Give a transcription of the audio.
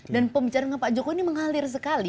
dan pembicaraan dengan pak jokowi ini mengalir sekali